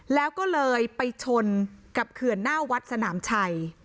แล้วก็เลยไปชนกับเขื่อนหน้าวัดสนามชัย